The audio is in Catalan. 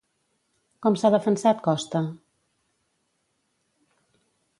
Com s'ha defensat Costa?